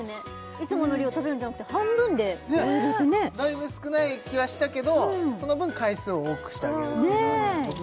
いつもの量食べるんじゃなくて半分で終えれてねねえだいぶ少ない気はしたけどその分回数を多くしてあげるっていうのはね